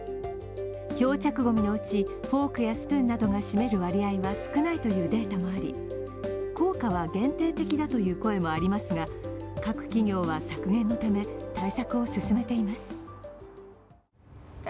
漂着ごみのうち、フォークやスプーンなどが占める割合は少ないというデータもあり効果は限定的だという声もありますが各企業は削減のため対策を進めています。